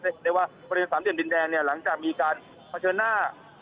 ก็ว่าบริเวณศาสตร์เตรียมดินแดงหลังจากมีการเผชิญหน้า